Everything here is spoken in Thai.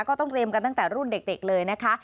ก็ต้องเตรียมกันตั้งแต่รุ่นเด็กเลยนะคะ